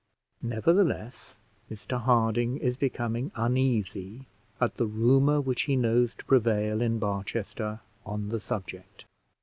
Nevertheless, Mr Harding is becoming uneasy at the rumour which he knows to prevail in Barchester on the subject.